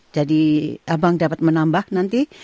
jadi abang dapat menambah nanti